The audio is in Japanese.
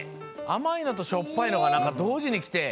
あまいのとしょっぱいのがどうじにきて。